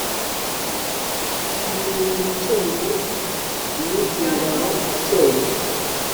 nimumucyeze ni ingabo icyeye